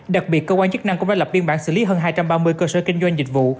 đặc biệt cơ quan chức năng cũng đã lập biên bản xử lý hơn hai trăm ba mươi cơ sở kinh doanh dịch vụ